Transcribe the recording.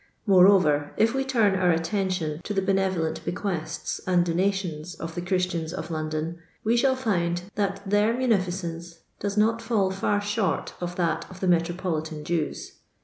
Moreover, if we turn our attention to the benevolent bequests and donations of the Christians of London, we shall find that their munificence does not fall far short of that of the metropolitan Jews.